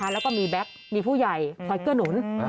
แล้วก็มีแบ็คมีผู้ใหญ่คอยเกื้อหนุน